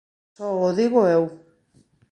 Só o digo eu